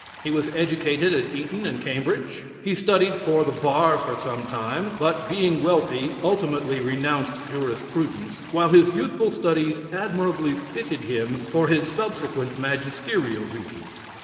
He was educated at Eton and Cambridge. He studied for the bar for sometime, but (being wealthy) ultimately renounced jurisprudence, while his youthful studies admirably fitted him for his subsequent magisterial duties.